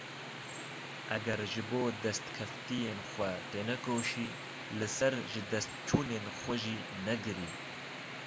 Eger ji bo destkeftiyên xwe tênekoşî, li ser jidestçûnên xwe jî negirî.